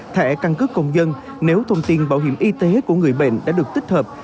thẻ căn cước công dân nếu thông tin bảo hiểm y tế của người bệnh đã được tích hợp